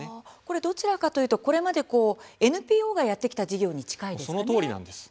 どちらかというとこれまでＮＰＯがやってきた事業にそのとおりなんです。